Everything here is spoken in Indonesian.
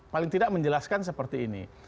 paling tidak menjelaskan seperti ini